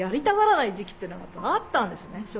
たがらない時期っていうのがやっぱあったんですね。